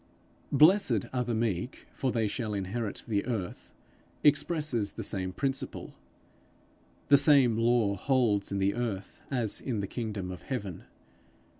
'Blessed are the meek, for they shall inherit the earth,' expresses the same principle: the same law holds in the earth as in the kingdom of heaven.